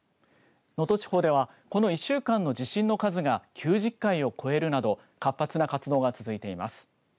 能登地方ではこの１週間の地震の数が９０回を超えるなど活発な活動が続いています。